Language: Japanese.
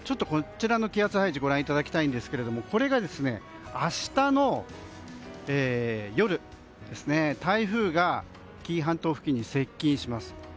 気圧配置をご覧いただきたいんですがこれが、明日の夜台風が紀伊半島付近に接近します。